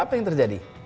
apa yang terjadi